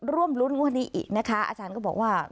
ร่วมรุ้นงวดนี้อีกนะคะอาจารย์ก็บอกว่า